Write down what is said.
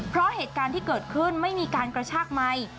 เพราะเหตุการณ์ที่เกิดขึ้นไม่มีการกระชากไมค์